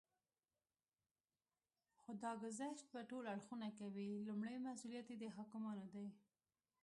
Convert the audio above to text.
خو دا ګذشت به ټول اړخونه کوي. لومړی مسئوليت یې د حاکمانو دی